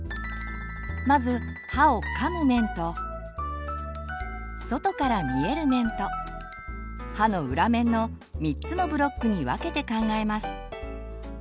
まず歯をかむ面と外から見える面と歯の裏面の３つのブロックに分けて考えます。